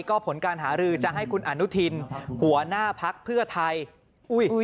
ก็ผลการหารือจะให้คุณอนุทินหัวหน้าพักเพื่อไทยอุ้ย